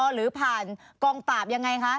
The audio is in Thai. หรือผ่านกองปราบยังไงคะ